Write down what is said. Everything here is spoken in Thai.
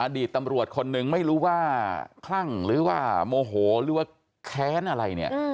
ดีตตำรวจคนหนึ่งไม่รู้ว่าคลั่งหรือว่าโมโหหรือว่าแค้นอะไรเนี่ย